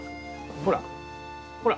ほらほら。